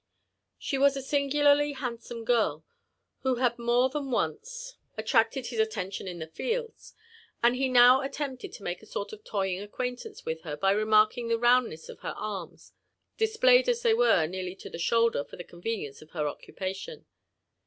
Sbo was a singularly handsome girl, who had more than once at* JONATHAN JEPFBRSON WHITLAW. 51 traded his attention in the fields ; and be now attempted to make a sort of toying acquaintance with her, by remarking the roundness of her arms, displayed as they^were, nearly to the shoulder, for the con yeoience of her occupation.